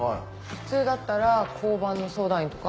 普通だったら交番の相談員とか？